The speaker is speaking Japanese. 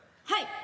はい。